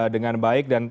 dengan baik dan